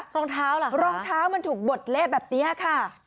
รองเท้ามันถูกบดเล่บแบบเนี้ยค่ะ